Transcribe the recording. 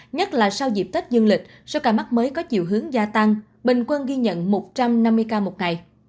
nhất là sau dịp tết dương lịch số ca mắc mới có chiều hướng gia tăng bình quân ghi nhận một trăm năm mươi ca một ngày